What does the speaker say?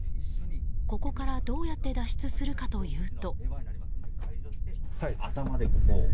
ここからどうやって脱出するかというと。